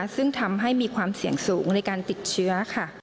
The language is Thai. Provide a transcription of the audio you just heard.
ซึ่งทำให้มีความเสี่ยงสูงในการติดเชื้อค่ะ